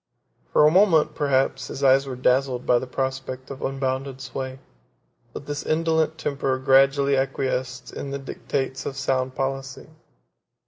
For a moment, perhaps, his eyes were dazzled by the prospect of unbounded sway; but his indolent temper gradually acquiesced in the dictates of sound policy.